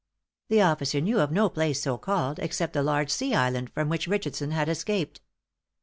The officer knew of no place so called except the large sea island from which Richardson had escaped.